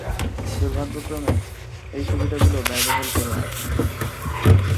দুর্ভাগ্যক্রমে, এই সুবিধাগুলি ব্যয়বহুল করে আসে।